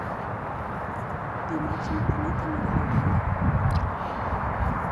Dimarts na Tanit anirà a Aldaia.